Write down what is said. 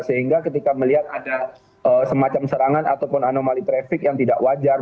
sehingga ketika melihat ada semacam serangan ataupun anomali trafik yang tidak wajar